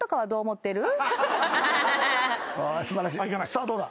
さあどうだ。